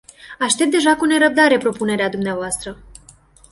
Aștept deja cu nerăbdare propunerea dumneavoastră.